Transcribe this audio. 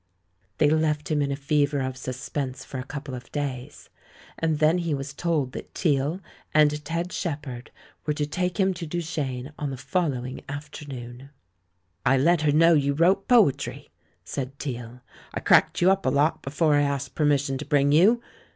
They left him in a fever of suspense for a couple of days. And then he was told that Teale and Ted Shepherd v/ere to take him to Duchene on the following afternoon. "I let her know you wrote poetry," said Teale; "I cracked you up a lot before I asked permis sion to bring you.